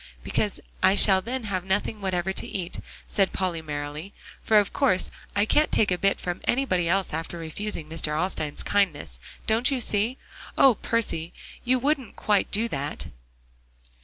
"Because I shall then have nothing whatever to eat," said Polly merrily, "for of course I can't take a bit from anybody else after refusing Mr. Alstyne's kindness. Don't you see? Oh, Percy! you wouldn't quite do that?"